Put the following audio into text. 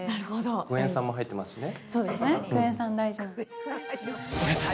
クエン酸も入ってますしね。